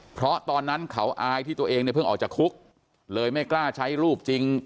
เพราะตอนนั้นเขาอายที่ตัวเองเนี่ยเพิ่งออกจากคุกเลยไม่กล้าใช้รูปจริง